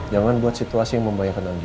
jangan buat situasi yang membayangkan aja